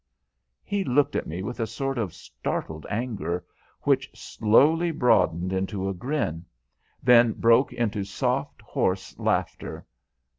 He looked at me with a sort of startled anger, which slowly broadened into a grin; then broke into soft, hoarse laughter.